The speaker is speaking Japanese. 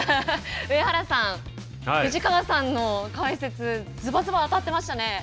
上原さん、藤川さんの解説ずばずば当たってましたね。